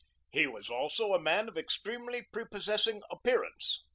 He was also a man of extremely prepossessing appearance.